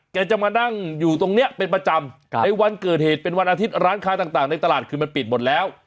จะมานั่งอยู่ตรงนี้เป็นประจำในวันเกิดเหตุเป็นวันอาทิตย์ร้านค้าต่างในตลาดคือมันปิดหมดแล้ว